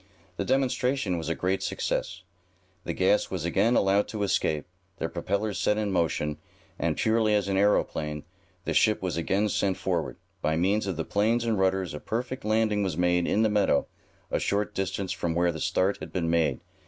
The demonstration was a great success. The gas was again allowed to escape, the propellers set in motion, and purely as an aeroplane, the ship was again sent forward. By means of the planes and rudders a perfect landing was made in the meadow, a short distance from where the start had been made.